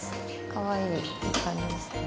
かわいい感じですね。